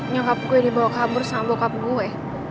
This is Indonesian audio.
nyangkap gue dibawa kabur sama bokap gue